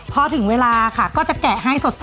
พอถึงเวลาค่ะก็จะแกะให้สด